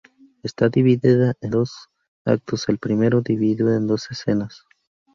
Está dividida en dos actos, el primero dividido en dos escenas.